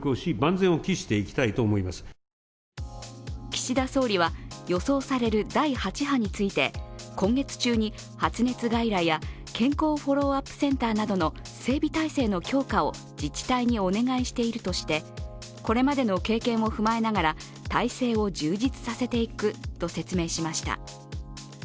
岸田総理は、予想される第８波について、今月中に発熱外来や健康フォローアップセンターなどの整備体制の強化を自治体にお願いしているとしてこれまでの経験を踏まえながら体制を充実させていくと説明しました。